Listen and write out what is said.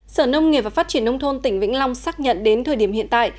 sở nông nghiệp và phát triển nông thôn tỉnh vĩnh long xác nhận đến thời điểm hiện tại